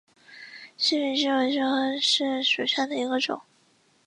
延平柿为柿科柿属下的一个种。